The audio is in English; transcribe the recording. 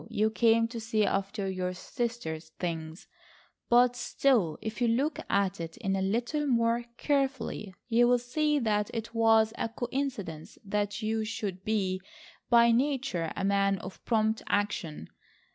You came to see after your sister's things, but still, if you look at it a little more carefully, you will see that it was a coincidence that you should be by nature a man of prompt action.